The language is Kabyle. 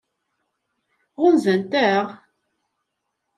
Ɣunzant-aɣ?